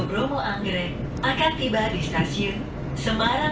bromo anggrek akan tiba di stasiun semarang